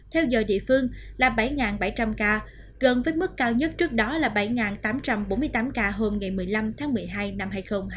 theo giờ địa phương là bảy bảy trăm linh ca gần với mức cao nhất trước đó là bảy tám trăm bốn mươi tám ca hôm ngày một mươi năm tháng một mươi hai năm hai nghìn hai mươi ba